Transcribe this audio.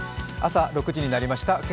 朝６時になりました。